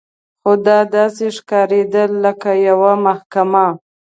خو دا داسې ښکارېدل لکه یوه محکمه.